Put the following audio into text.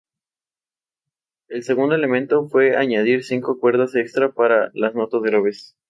El segundo elemento fue añadir cinco cuerdas extra para las notas graves.